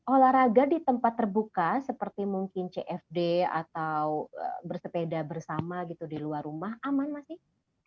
olahraga di tempat terbuka seperti mungkin cfd atau bersepeda bersama gitu di luar rumah aman masih